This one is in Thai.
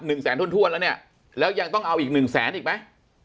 แสนถ้วนถ้วนแล้วเนี่ยแล้วยังต้องเอาอีกหนึ่งแสนอีกไหม